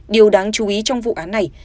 điều đáng chú ý trong vụ án này